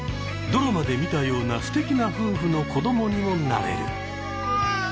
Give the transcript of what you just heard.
ドラマで見たようなすてきな夫婦の子どもにもなれる。